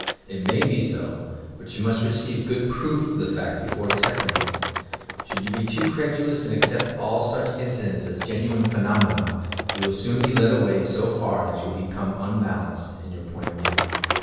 It may be so, but you must receive good proof of the fact before accepting it. Should you be too credulous and accept all such inci dents as genuine phenomena, you will soon be led away so far that you will become unbalanced, in your point of view.